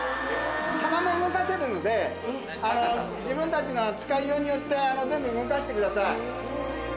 棚も動かせるので自分たちの使いようによって全部動かしてください。